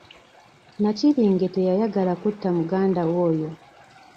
Nnakibinge teyayagala kutta muganda we oyo.